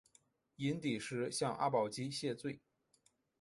寅底石向阿保机谢罪。